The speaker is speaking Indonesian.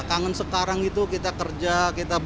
kangen sekarang itu kita kerja